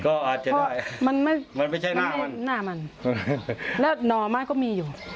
ก็อาจจะได้มันไม่ใช่หน้ามันและหน่อมันก็มีอยู่